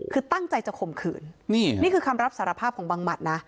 คือตั้งใจจะข่มขืนนี่นี่คือคำรับสารภาพของบังหมัดนะ